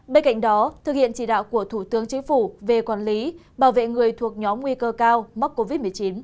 bên cạnh đó thực hiện chỉ đạo của thủ tướng chính phủ về quản lý bảo vệ người thuộc nhóm nguy cơ cao mắc covid một mươi chín